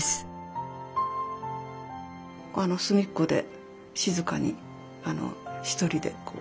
あの隅っこで静かに一人でこう。